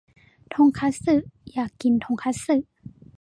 ทงคัตสึ อยากกินทงคัตสึ